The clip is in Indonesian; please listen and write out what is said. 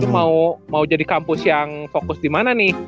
lo mau jadi kampus yang fokus dimana nih